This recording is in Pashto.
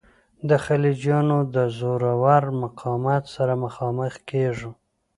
د خلجیانو د زورور مقاومت سره مخامخ کیږو.